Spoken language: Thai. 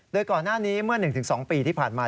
โดยก่อนหน้านี้เมื่อ๑๒ปีที่ผ่านมา